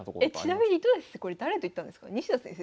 ちなみに糸谷先生これ誰と行ったんですか？